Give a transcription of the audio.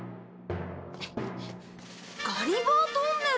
ガリバートンネル！